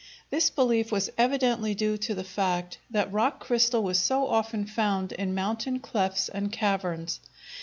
This belief was evidently due to the fact that rock crystal was so often found in mountain clefts and caverns.